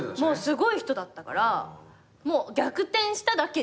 すごい人だったから逆転しただけで。